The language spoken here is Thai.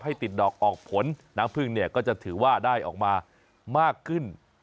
ให้ติดดอกออกผลน้ำพึ่งเนี่ยก็จะถือว่าได้ออกมามากขึ้น